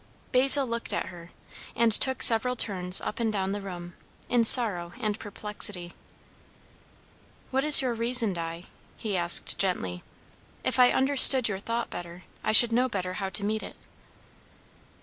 Basil looked at her, and took several turns up and down the room, in sorrow and perplexity. "What is your reason, Di?" he asked gently. "If I understood your thought better, I should know better how to meet it."